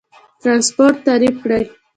ترانسپورت تعریف کړئ.